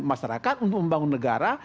masyarakat untuk membangun negara